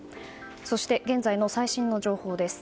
そして、現在の最新の情報です。